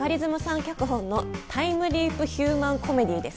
脚本のタイムリープ・ヒューマン・コメディーです。